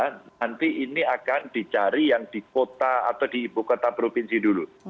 nanti ini akan dicari yang di kota atau di ibu kota provinsi dulu